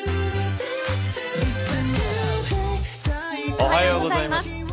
おはようございます。